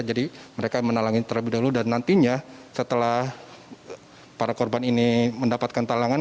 jadi mereka menalangi terlebih dahulu dan nantinya setelah para korban ini mendapatkan talangan